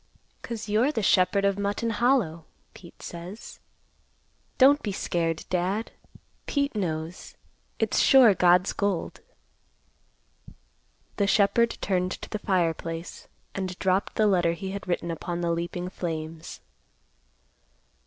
"'Cause you're the Shepherd of Mutton Hollow, Pete says. Don't be scared, Dad. Pete knows. It's sure God's gold." The shepherd turned to the fireplace and dropped the letter he had written upon the leaping flames.